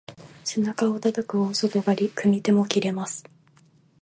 背中をたたく大外刈り、組み手も切れます。